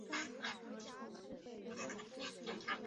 中国的水能资源蕴藏量和可开发量均居世界第一位。